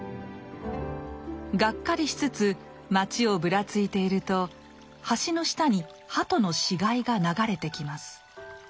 がっかりしつつ街をぶらついていると橋の下に鳩の死骸が流れてきます。